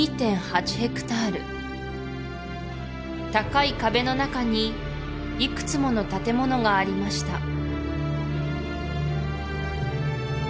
ヘクタール高い壁の中にいくつもの建物がありました